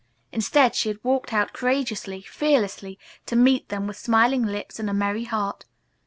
Instead, she had walked out courageously, fearlessly, to meet them with smiling lips and a merry heart.